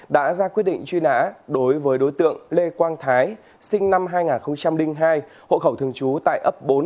đã ra quyết định truy nã đối với đối tượng lê quang thái sinh năm hai nghìn hai hộ khẩu thường trú tại ấp bốn